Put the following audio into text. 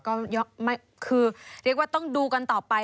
ก็คือเรียกว่าต้องดูกันต่อไป